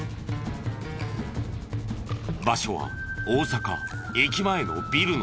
場所は大阪駅前のビルの敷地内。